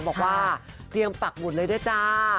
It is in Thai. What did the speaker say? บอกว่าเตรียมปากบุญเลยได้จ้า